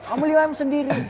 kamu lima m sendiri